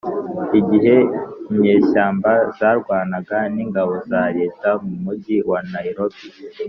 igihe inyeshyamba zarwanaga n ingabo za leta mu mugi wa Nairobi